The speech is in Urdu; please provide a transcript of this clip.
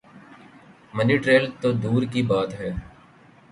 منی ٹریل تو دور کی بات ہے۔